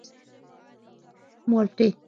_مالټې.